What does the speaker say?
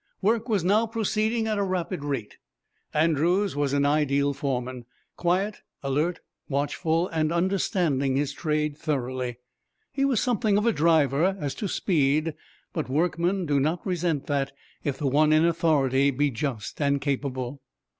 Work was now proceeding at a rapid rate. Andrews was an ideal foreman, quiet, alert, watchful and understanding his trade thoroughly. He was something of a driver, as to speed, but workmen do not resent that if the one in authority be just and capable.